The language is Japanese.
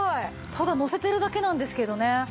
ただのせてるだけなんですけどね